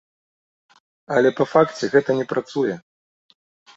Але па факце гэта не працуе.